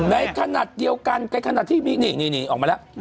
ในขณะเดียวกันในขณะที่มีนี่ออกมาแล้ว